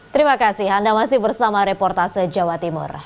terima kasih anda masih bersama reportase jawa timur